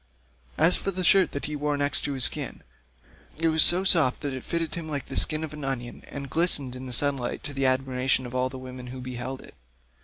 153 As for the shirt that he wore next his skin, it was so soft that it fitted him like the skin of an onion, and glistened in the sunlight to the admiration of all the women who beheld it.